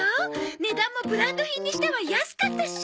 値段もブランド品にしては安かったし。